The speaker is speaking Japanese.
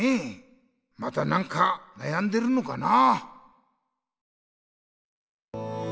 また何かなやんでるのかな？